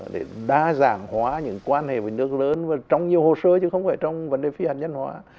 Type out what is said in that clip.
để đa dạng hóa những quan hệ với nước lớn và trong nhiều hồ sơ chứ không phải trong vấn đề phi hạt nhân hóa